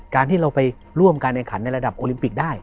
การที่เราไปร่วมการแข่งขันในระดับโอลิมปิกได้